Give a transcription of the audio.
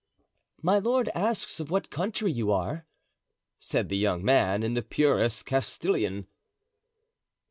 "My lord asks of what country you are," said the young man, in the purest Castilian.